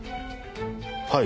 はい。